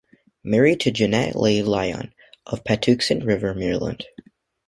Married to Janet Leigh Lyon of Patuxent River, Maryland.